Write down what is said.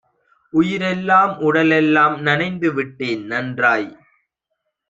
உயிரெல்லாம் உடலெல்லாம் நனைந்துவிட்டேன். நன்றாய்